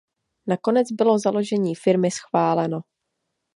Nakonec bylo založení firmy schváleno.